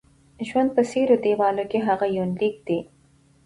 ژوند په څيرو دېوالو کې: هغه یونلیک دی